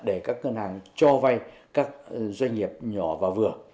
để các ngân hàng cho vay các doanh nghiệp nhỏ và vừa